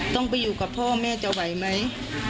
ต้องไปอยู่กับพ่อแม่จะไหวไหม